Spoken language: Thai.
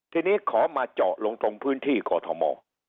ทีนี้ขอมาเจาะลงตรงพื้นที่กอทม